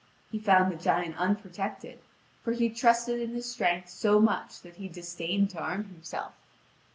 He found the giant unprotected, for he trusted in his strength so much that he disdained to arm himself.